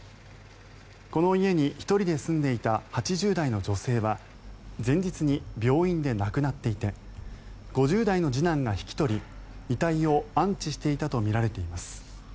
この家に１人で住んでいた８０代の女性は前日に病院で亡くなっていて５０代の次男が引き取り遺体を安置していたとみられています。